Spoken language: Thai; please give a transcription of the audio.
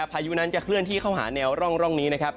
พายุนั้นจะเคลื่อนที่เข้าหาแนวร่องนี้นะครับ